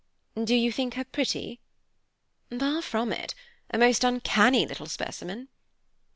"Do you think her pretty?" "Far from it, a most uncanny little specimen."